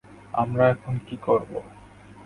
আমরা এখন কী করব?